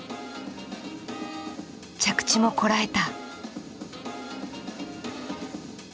着地もこらえた。